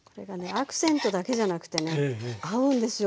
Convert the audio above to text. アクセントだけじゃなくてね合うんですよ